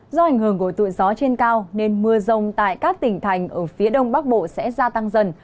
do ảnh hưởng của tụi gió trên cao nên mưa rông tại các tỉnh thành ở phía đông bắc bộ sẽ gia tăng dần